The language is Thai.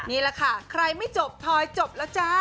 นี่แหละค่ะใครไม่จบทอยจบแล้วจ้า